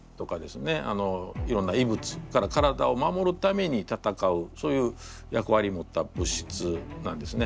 いろんな異物から体を守るために戦うそういう役割持った物質なんですね。